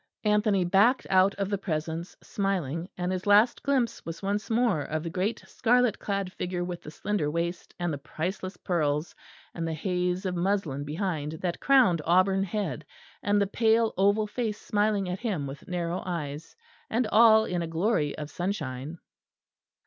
Anthony backed out of the presence, smiling; and his last glimpse was once more of the great scarlet clad figure with the slender waist, and the priceless pearls, and the haze of muslin behind that crowned auburn head, and the pale oval face smiling at him with narrow eyes and all in a glory of sunshine.